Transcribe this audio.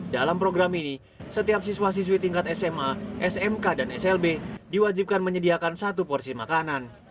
dalam program ini setiap siswa siswi tingkat sma smk dan slb diwajibkan menyediakan satu porsi makanan